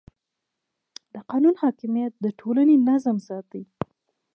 د قانون حاکمیت د ټولنې نظم ساتي.